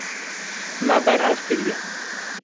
Me berhev kiriye.